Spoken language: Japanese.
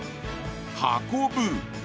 運ぶ！